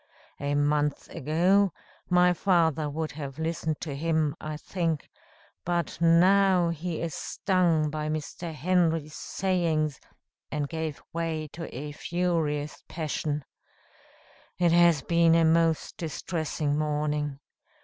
A month ago, my father would have listened to him, I think; but now, he is stung by Mr. Henry's sayings, and gave way to a furious passion. It has been a most distressing morning.